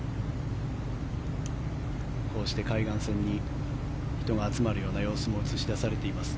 こうして海岸線に人が集まるような様子も映し出されています。